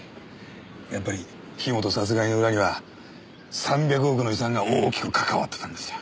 やっぱり樋本殺害の裏には３００億の遺産が大きくかかわってたんですよ。